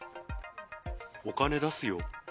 お金出すよ。